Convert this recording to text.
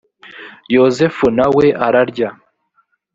yozefu na we ararya